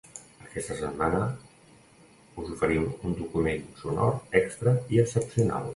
Aquesta setmana us oferim un document sonor extra i excepcional.